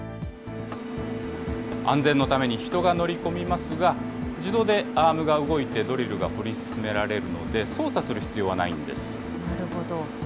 安全のために人が乗り込みますが、自動でアームが動いてドリルが掘り進められるので、操作する必要なるほど。